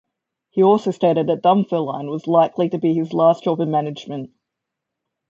He also stated that Dunfermline was likely to be his last job in management.